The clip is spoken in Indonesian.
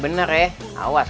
benerin aja dulu